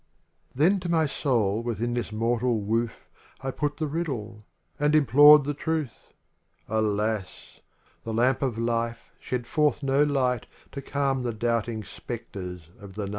Then to my soul within this mortal woof I put the riddle; and implored the truth. Alas! the lamp of life shed forth no Light To calm the doubting specters of the night.